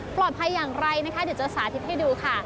ปลอดภัยอย่างไรนะคะเดี๋ยวจะสาธิตให้ดูค่ะ